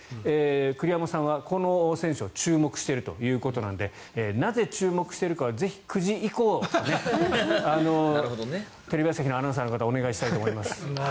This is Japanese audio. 栗山さんはこの選手を注目しているということなのでなぜ注目しているかはぜひ９時以降テレビ朝日のアナウンサーの方お願いしたいと思います。